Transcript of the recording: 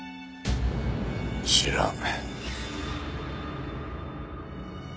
知らん。